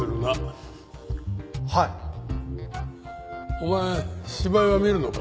お前芝居は見るのか？